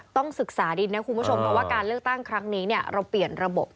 ต้องศึกษาดินนะคุณผู้ชมเพราะว่าการเลือกตั้งครั้งนี้เราเปลี่ยนระบบ